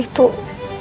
aku takut pak